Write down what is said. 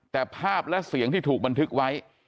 แต่ภาพและเสียงที่ถูกบันทึกไว้